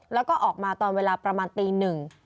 แล้วก็ออกมาตอนเวลาประมาณตีหนึ่ง